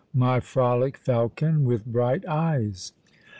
MY FROLIC FALCON, WITH BRIGHT EYES.